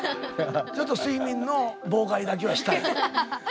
ちょっと睡眠の妨害だけはしたい。